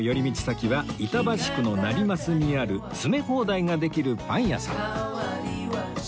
先は板橋区の成増にある詰め放題ができるパン屋さん